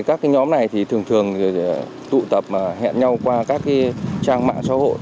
các nhóm này thì thường thường tụ tập hẹn nhau qua các trang mạng xã hội